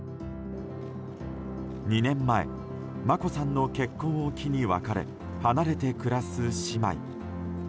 ２年前、眞子さんの結婚を機に別れ、離れて暮らす姉妹。